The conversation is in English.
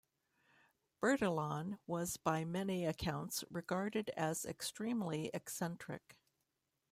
Bertillon was by many accounts regarded as extremely eccentric.